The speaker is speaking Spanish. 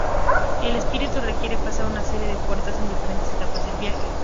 El espíritu requiere pasar una serie de "puertas" en diferentes etapas del viaje.